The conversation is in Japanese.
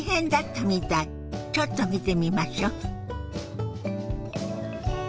ちょっと見てみましょ。